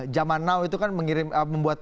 zaman now itu kan mengirim membuat